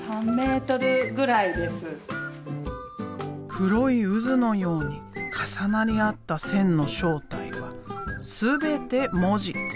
黒い渦のように重なり合った線の正体は全て文字。